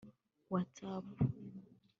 Whatsap